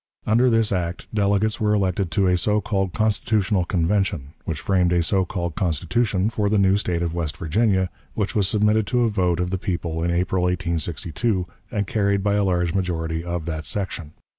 Under this act delegates were elected to a so called Constitutional Convention which framed a so called Constitution for the new State of West Virginia, which was submitted to a vote of the people in April, 1862, and carried by a large majority of that section.